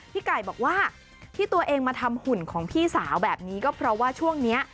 พี่ไก่บอกว่าที่ตัวเองมาทำหุ่นของพี่สาวแบบนี้ก็เพราะว่าช่วงนี้